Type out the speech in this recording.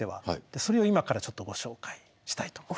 それを今からちょっとご紹介したいと思います。